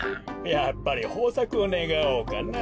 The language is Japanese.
やっぱりほうさくをねがおうかな。